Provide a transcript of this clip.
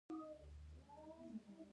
د پوهنې کیفیت لوړول مهم دي؟